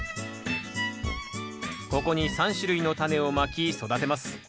ここに３種類のタネをまき育てます。